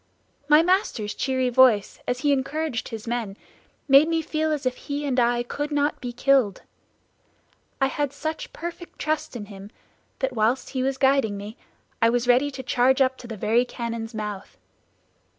My master's cheery voice, as he encouraged his men, made me feel as if he and I could not be killed. I had such perfect trust in him that while he was guiding me I was ready to charge up to the very cannon's mouth.